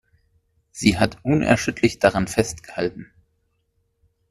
Sie hat unerschütterlich daran festgehalten.